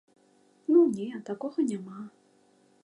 Ну не, такога няма.